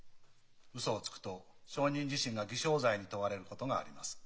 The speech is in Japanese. ウソをつくと証人自身が偽証罪に問われることがあります。